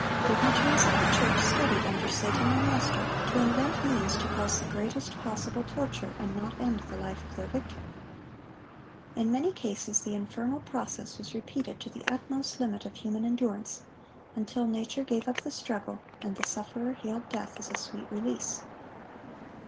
Dignitaries of the church studied, under Satan their master, to invent means to cause the greatest possible torture, and not end the life of their victim. In many cases the infernal process was repeated to the utmost limit of human endurance, until nature gave up the struggle, and the sufferer hailed death as a sweet release.